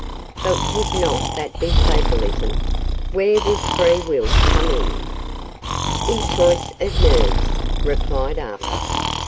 "But would not that be Fatalism? Where would Free Will come in?" "In choice of nerves," replied Arthur.